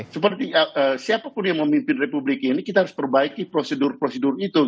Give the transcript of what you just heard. seperti siapapun yang memimpin republik ini kita harus perbaiki prosedur prosedur itu